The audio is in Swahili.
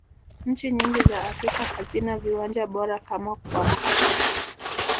nchi nyingi za afrika hazina viwanja bora kama kwa mkapa